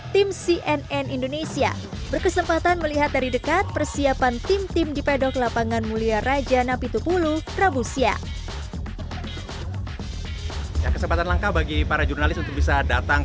tim cnn indonesia berkesempatan melihat dari dekat persiapan tim tim di pedok lapangan mulia raja napitupulu rabu siang